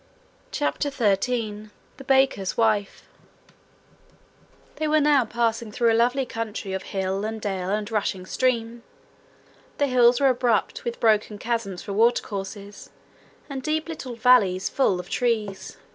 CHAPTER 13 The Baker's Wife They were now passing through a lovely country of hill and dale and rushing stream. The hills were abrupt, with broken chasms for watercourses, and deep little valleys full of trees.